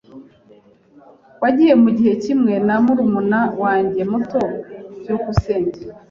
Wagiye mugihe kimwe na murumuna wanjye muto? byukusenge